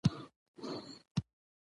پرځان باور ولره ترڅو کامياب سې